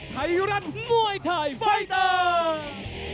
ไทยรัฐมวยไทยไฟเตอร์